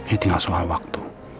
ini tinggal soal waktu